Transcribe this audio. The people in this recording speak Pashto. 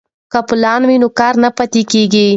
که پلان وي نو کار نه پاتې کیږي.